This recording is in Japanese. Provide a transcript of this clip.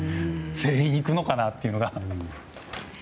全員行くのかなっていうのが。